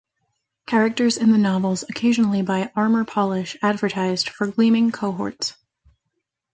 Characters in the novels occasionally buy Armour Polish advertised "For Gleaming Cohorts".